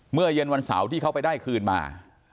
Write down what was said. เมื่อเย็นวันเสาร์ที่เขาไปได้คืนมา